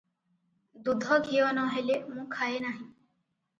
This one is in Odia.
ଦୁଧ ଘିଅ ନ ହେଲେ ମୁଁ ଖାଏ ନାହିଁ ।